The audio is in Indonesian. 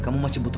kau bisa aida